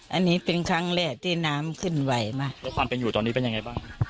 อันนี้เป็นครั้งแรกที่น้ำขึ้นไหวมากแล้วความเป็นอยู่ตอนนี้เป็นยังไงบ้าง